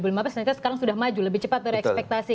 ternyata sekarang sudah maju lebih cepat dari ekspektasi